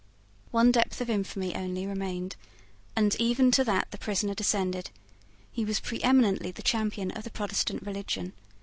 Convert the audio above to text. One depth of infamy only remained; and even to that the prisoner descended. He was preeminently the champion of the Protestant religion.